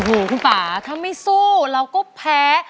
โอ้โหคุณป่าถ้าไม่สู้เราก็แพ้